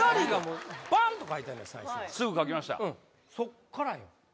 うんそっからよ